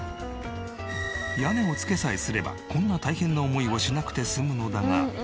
屋根を付けさえすればこんな大変な思いをしなくて済むのだが。